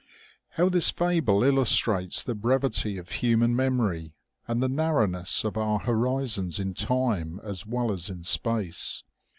" How this fable illustrates the brevity of human mem ory and the. narrowness of our horizons in time as well as in space